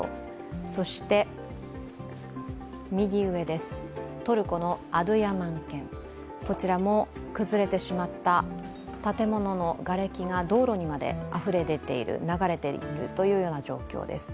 そして右上、トルコのアドゥヤマン県、こちらも崩れてしまった建物のがれきが道路にまであふれ出ている、流れているというような状況です。